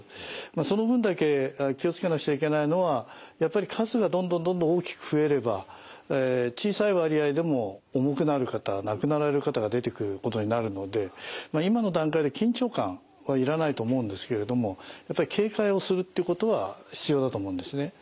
その分だけ気を付けなくちゃいけないのはやっぱり数がどんどんどんどん大きく増えれば小さい割合でも重くなる方亡くなられる方が出てくることになるので今の段階で緊張感はいらないと思うんですけれどもやっぱり警戒をするっていうことは必要だと思うんですね。